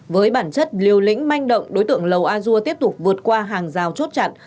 với bản chất liều lĩnh manh động đối tượng lầu asia tiếp tục vượt qua hàng dao chốt chặn